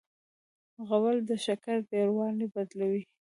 غول د شکر ډېروالی بدلوي.